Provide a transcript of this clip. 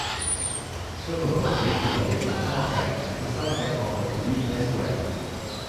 "Chocobo Racing Original Soundtrack" is a soundtrack album produced by Square.